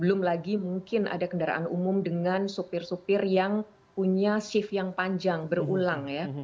belum lagi mungkin ada kendaraan umum dengan supir supir yang punya shift yang panjang berulang ya